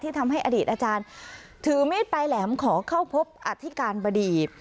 ทำให้อดีตอาจารย์ถือมีดปลายแหลมขอเข้าพบอธิการบดี